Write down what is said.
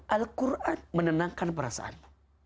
al quran menenangkan perasaanmu